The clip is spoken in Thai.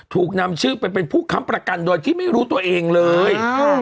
ถูกนำชื่อไปเป็นผู้ค้ำประกันโดยที่ไม่รู้ตัวเองเลย